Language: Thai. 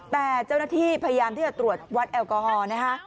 แต่เจ้าหน้าที่พยายามที่จะตรวจวัดแอลกอฮอล์นะคะ